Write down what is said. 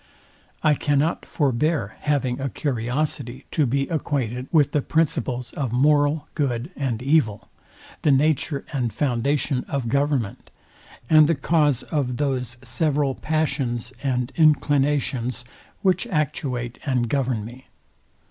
I cannot forbear having a curiosity to be acquainted with the principles of moral good and evil, the nature and foundation of government, and the cause of those several passions and inclinations, which actuate and govern me.